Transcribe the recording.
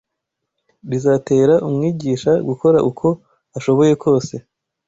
rizatera umwigisha gukora uko ashoboye kose